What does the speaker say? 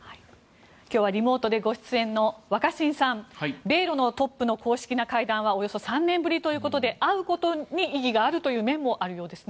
今日はリモートでご出演の若新さん米ロのトップの公式な会談はおよそ３年ぶりということで会うことに意義があるという面もあるということですね。